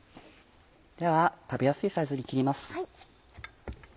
では食べやすいサイズに切ります。